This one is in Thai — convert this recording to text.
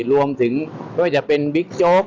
รวมถึงไม่ว่าจะเป็นบิ๊กโจ๊ก